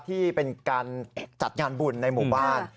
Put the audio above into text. ที่เป็นการจัดงานบุญในหมู่บ้าน